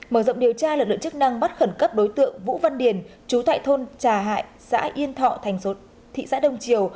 mở rộng điều tra lực lượng chức năng bắt khẩn cấp đối tượng vũ văn điền chú tại thôn trà hải xã yên thọ thành thị xã đông triều